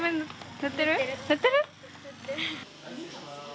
塗ってる？